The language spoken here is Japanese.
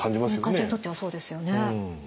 患者にとってはそうですよね。